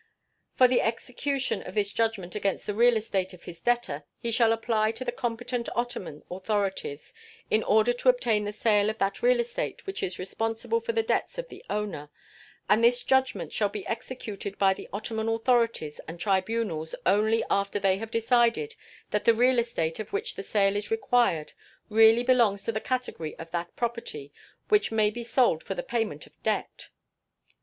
For the execution of this judgment against the real estate of his debtor he shall apply to the competent Ottoman authorities in order to obtain the sale of that real estate which is responsible for the debts of the owner; and this judgment shall be executed by the Ottoman authorities and tribunals only after they have decided that the real estate of which the sale is required really belongs to the category of that property which may be sold for the payment of debt.